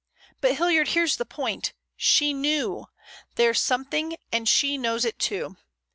But, Hilliard, here's the point. She knew! There's something, and she knows it too.